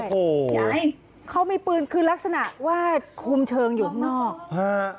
โอ้โหยายเขามีปืนคือลักษณะว่าคุมเชิงอยู่ข้างนอกฮะ